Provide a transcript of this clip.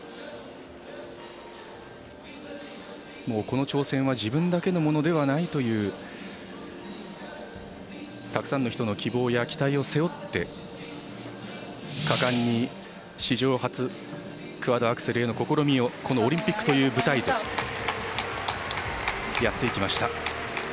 もう、この挑戦は自分だけのものではないというたくさんの人の希望や期待を背負って果敢に史上初クワッドアクセルへの試みをこのオリンピックという舞台でやっていきました。